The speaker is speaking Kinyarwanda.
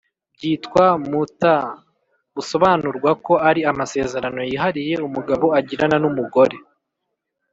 bwitwa mutʽah. busobanurwa ko ari “amasezerano yihariye umugabo agirana n’umugore,